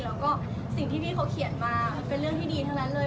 แล้วก็สิ่งที่พี่เขาเขียนมามันเป็นเรื่องที่ดีทั้งนั้นเลย